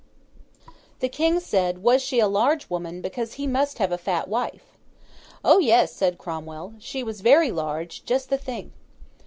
The King said was she a large woman, because he must have a fat wife? 'O yes,' said Cromwell; 'she was very large, just the thing.